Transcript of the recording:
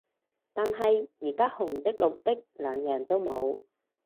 但係而家紅的綠的兩樣都冇